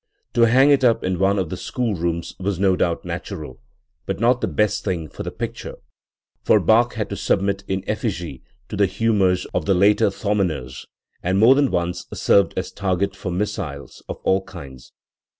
To hang it up in one of the school rooms was no doubt natural, but not the best thing for the picture, for Bach had to submit in effigie to the humours of the later Thomaners, and more than once served as target for missiles of all kinds.